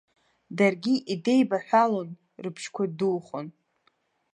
Даргьы идеибаҳәалон, рыбжьқәа духон.